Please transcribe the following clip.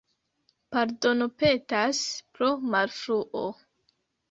Pardonpetas pro malfruo.